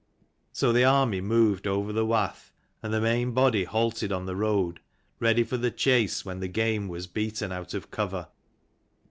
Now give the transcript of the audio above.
So the army moved over the wath, and the main body halted on the road, ready for the chase when the game was beaten out of cover.